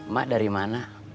mak dari mana